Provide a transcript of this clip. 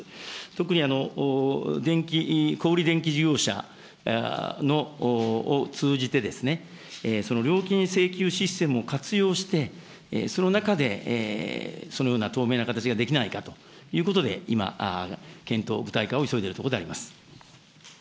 特に、小売り電気事業者を通じてその料金請求システムを活用して、その中でそのような透明な形ができないかということで、今、検討、具体化を急いでいるところであります。